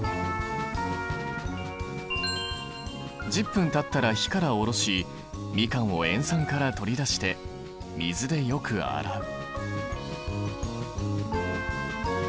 １０分たったら火から下ろしみかんを塩酸から取り出して水でよく洗う。